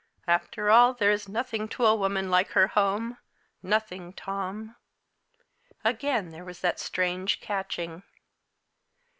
After all, there's nothing to a woman like her home nothing, Tom." Again there was that strange catching.